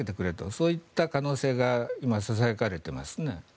そういった可能性が今ささやかれていますね。